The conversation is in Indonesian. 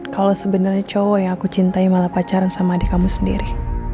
kalau sebenarnya cowok yang aku cintai malah pacaran sama adik kamu sendiri